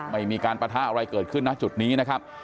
ไม่มีการปะทะอะไรเกิดขึ้นนะจุดนี้นะครับ